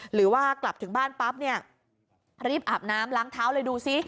หรือว่ากลับถึงบ้านปั๊บเนี่ยรีบอาบน้ำล้างเท้าเลยดูซิ